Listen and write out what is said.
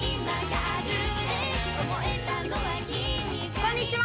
こんにちは！